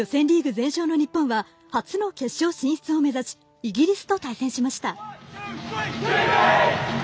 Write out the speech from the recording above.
全勝の日本は初の決勝進出を目指しイギリスと対戦しました。